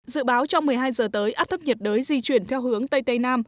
dự báo trong một mươi hai giờ tới áp thấp nhiệt đới di chuyển theo hướng tây tây nam